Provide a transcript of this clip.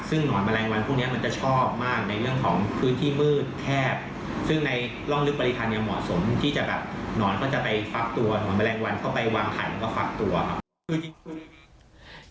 ซึ่งหนอนแมลงวันพวกนี้มันจะชอบมากในเรื่องของพื้นที่มืดแคบซึ่งในร่องลึกปริคันยังเหมาะสมที่จะแบบหนอนก็จะไปฟักตัวหนอนแมลงวันเข้าไปวางไข่แล้วก็ฟักตัวครับ